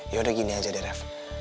yaudah gini aja deh raff